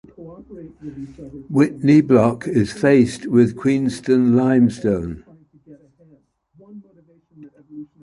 Whitney Block is faced with Queenston limestone.